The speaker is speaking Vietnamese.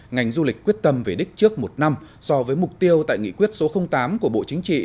ngành du lịch quyết tâm về đích trước một năm so với mục tiêu tại nghị quyết số tám của bộ chính trị